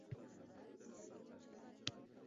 Dadasidan oʻtib qayoqqa borardi, maktabni tugatib olsin